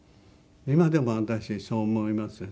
今でも私そう思いますよ。